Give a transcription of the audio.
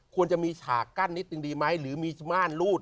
ควรจะมีฉากกั้นนิดนึงดีไหมหรือมีม่านรูด